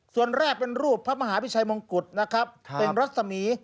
ส่วนแรกเป็นรูปพระมหาพิชัยมงกุฎนะครับเป็นรัศมี